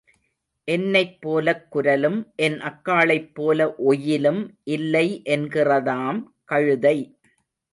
என்னைப் போலக் குரலும் என் அக்காளைப் போல ஒயிலும் இல்லை என்கிறதாம் கழுதை.